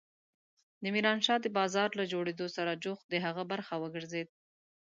د ميرانشاه د بازار له جوړېدو سره جوخت د هغه برخه وګرځېد.